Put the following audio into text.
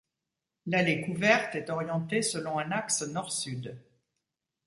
L'allée couverte est orientée selon un axe nord-sud.